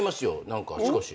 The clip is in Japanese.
何か少し。